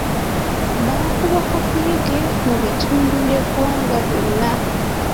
Baakuba kakuyege mu bitundu by'eggwanga byonna.